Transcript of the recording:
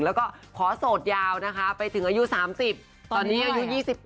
แล้วก็ขอโสดยาวนะคะไปถึงอายุ๓๐ตอนนี้อายุ๒๘